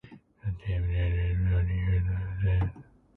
The team changed its name two times since.